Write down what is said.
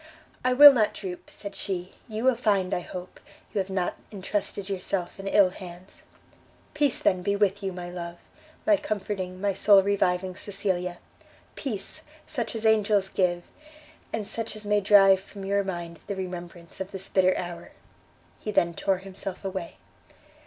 "I will not droop," said she; "you will find, I hope, you have not intrusted yourself in ill hands." "Peace then be with you, my love! my comforting, my soul reviving Cecilia! Peace, such as angels give, and such as may drive from your mind the remembrance of this bitter hour!" He then tore himself away.